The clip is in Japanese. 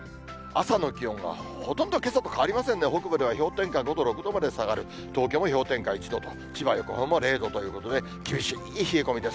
朝の気温はほとんどけさと変わりませんね、北部では氷点下５度、６度まで下がる、東京も氷点下１度と、千葉、横浜も０度ということで、厳しい冷え込みです。